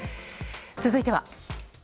続いては。